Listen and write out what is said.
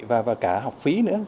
và cả học phí nữa